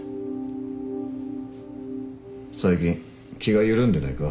最近気が緩んでないか？